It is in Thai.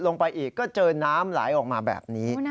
มีน้ำใสมาก